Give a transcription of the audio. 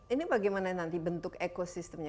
ini bagaimana nanti bentuk ekosistemnya